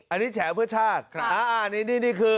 อันนี้แฉเพื่อชาติ